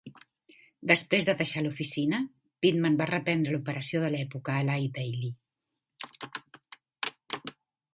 Després de deixar l'oficina, Pittman va reprendre l'operació de l' "època Ely Daily".